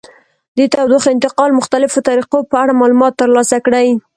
د تودوخې انتقال مختلفو طریقو په اړه معلومات ترلاسه کړئ.